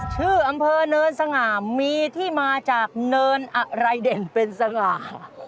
ชื่ออำเภอเนินสง่ามีที่มาจากเนินอะไรเด่นเป็นสง่า